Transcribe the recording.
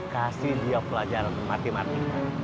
kasih dia pelajaran matematika